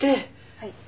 はい。